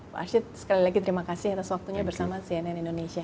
pak arsyid sekali lagi terima kasih atas waktunya bersama cnn indonesia